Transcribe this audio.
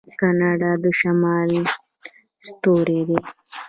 کاناډا د شمال ستوری دی.